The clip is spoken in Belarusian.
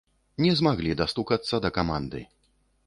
Не змаглі дастукацца да каманды.